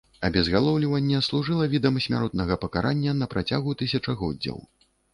Абезгалоўліванне служыла відам смяротнага пакарання на працягу тысячагоддзяў.